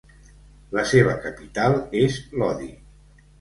La seva capital és Lodi.